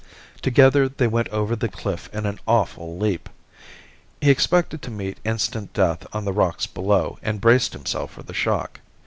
Together they went over the cliff in an awful leap. He expected to meet instant death on the rocks below and braced himself for the shock.